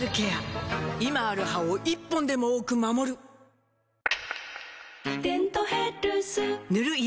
今ある歯を１本でも多く守る「デントヘルス」塗る医薬品も